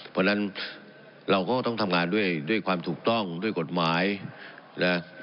เพราะฉะนั้นเราก็ต้องทำงานด้วยความถูกต้องด้วยกฎหมายนะ